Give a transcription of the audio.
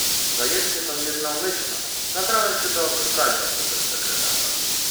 "Zajęty tą jedną myślą zabrałem się do odszukania owego sekretarza."